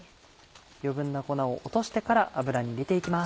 余分な粉を落としてから油に入れて行きます。